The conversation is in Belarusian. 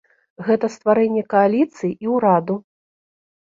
Гэта стварэнне кааліцыі і ўраду.